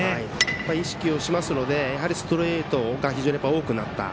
意識をしますのでやはりストレートが非常に多くなった。